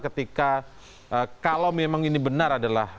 ketika kalau memang ini benar adalah